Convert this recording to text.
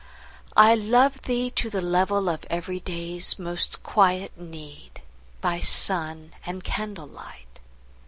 I love thee to the level of everyday's Most quiet need, by sun and candlelight.